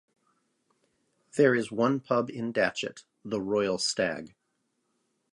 There is one pub in Datchet, The Royal Stag.